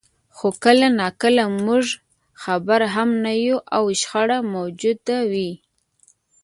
خو کله ناکله موږ خبر هم نه یو او شخړه موجوده وي.